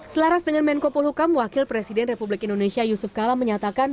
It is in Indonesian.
selaras dengan menko polhukam wakil presiden republik indonesia yusuf kala menyatakan